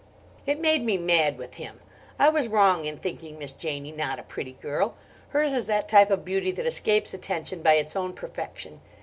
It made me mad with him. I was wrong in thinking Miss Janie not a pretty girl. Hers is that type of beauty that escapes attention by its own perfection.